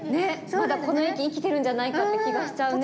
まだこの駅生きてるんじゃないかって気がしちゃうね。